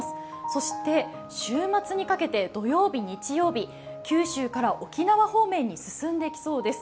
そして、週末にかけて土曜日、日曜日、九州から沖縄方面に進んでいきそうです。